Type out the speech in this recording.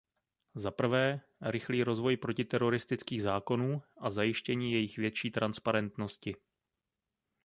Zaprvé, rychlý rozvoj protiteroristických zákonů a zajištění jejich větší transparentnosti.